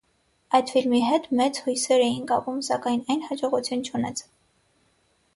Այդ ֆիլմի հետ մեծ հույսեր էին կապում, սակայն այն հաջողություն չունեցավ։